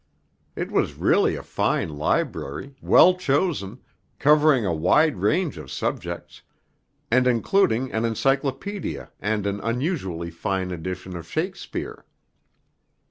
It was really a fine library, well chosen, covering a wide range of subjects and including an encyclopædia and an unusually fine edition of Shakespeare.